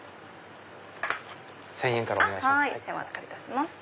１０００円からお願いします。